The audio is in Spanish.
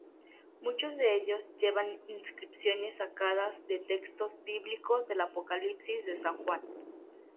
Muchos de ellos llevan inscripciones sacadas de textos bíblicos del Apocalipsis de San Juan.